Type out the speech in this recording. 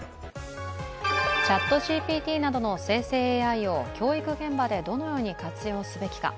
ＣｈａｔＧＰＴなどの生成ＡＩを教育現場でどのように活用すべきか。